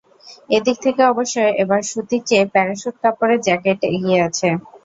এদিক থেকে অবশ্য এবার সুতির চেয়ে প্যারাসুট কাপড়ের জ্যাকেট এগিয়ে আছে।